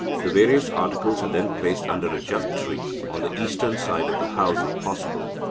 The various articles are then placed under a jak tree, on the eastern side of the house if possible.